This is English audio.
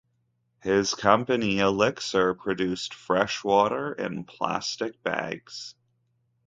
His company "Elixir" produced fresh water in plastic bags.